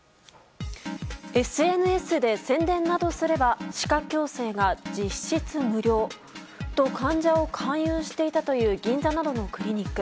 ＳＮＳで宣伝などすれば歯科矯正が実質無料と患者を勧誘していたという銀座などのクリニック。